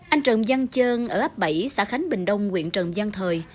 anh trần văn chơn ở áp bảy xã khánh bình đông nguyện trần văn thời